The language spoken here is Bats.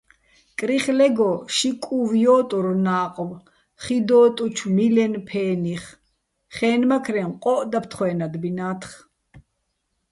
კრიხლეგო ში კუვ ჲო́ტურ ნაყვ, ხიდოტუჩო̆ მილენ ფენიხ, ხენმაქრეჼ ყოჸ დაფთხვე́ნადბინა́თხ.